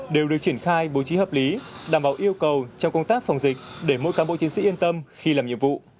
đều được triển khai bố trí hợp lý đảm bảo yêu cầu trong công tác phòng dịch